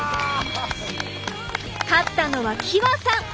勝ったのはきわさん！